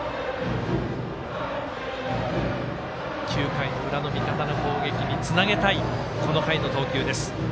９回の裏の味方の攻撃につなげたい、この回の投球です。